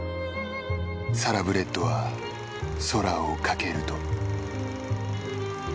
サラブレッドは空を翔ると。